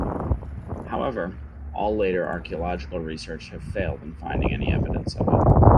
However, all later archaeological research have failed in finding any evidence of it.